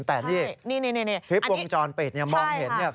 แต่ที่คลิปวงจรปิดมองเห็น